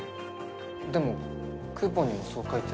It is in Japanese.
でもクーポンにもそう書いてあって。